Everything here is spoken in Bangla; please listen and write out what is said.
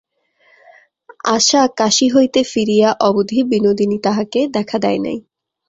আশা কাশী হইতে ফিরিয়া অবধি বিনোদিনী তাহাকে দেখা দেয় নাই।